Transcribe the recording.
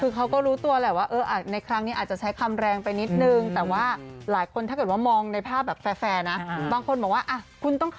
คือเขาก็รู้ตัวแหละว่าในครั้งนี้อาจจะใช้คำแรงไปนิดนึง